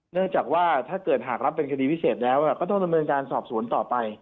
เนื่องจากว่าถ้าเกิดหากรับเป็นคดีพิเศษแล้วก็ต้องดำเนินการสอบสวนต่อไป